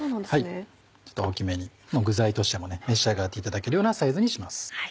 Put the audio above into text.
ちょっと大きめに具材としても召し上がっていただけるようなサイズにします。